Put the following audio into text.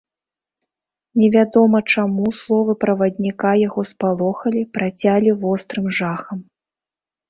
Невядома чаму, словы правадніка яго спалохалі, працялі вострым жахам.